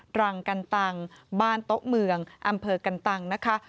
รังกันตังบ้านโต๊ะเมืองอำเภอกันตังนะคะ